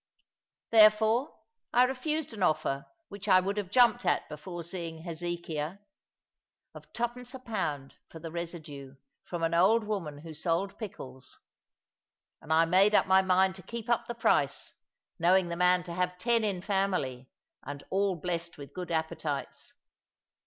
Therefore I refused an offer which I would have jumped at before seeing Hezekiah, of twopence a pound for the residue from an old woman who sold pickles; and I made up my mind to keep up the price, knowing the man to have ten in family, and all blessed with good appetites.